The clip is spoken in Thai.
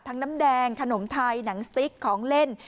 น้ำแดงขนมไทยหนังสติ๊กของเล่น